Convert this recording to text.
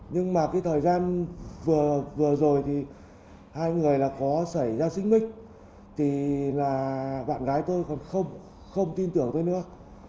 nhưng mà thời gian vừa rồi thì hai người có xảy ra xích mích thì bạn gái tôi còn không tin tưởng tôi nữa